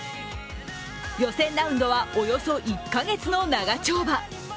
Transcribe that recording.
予選ラウンドはおよそ１か月の長丁場。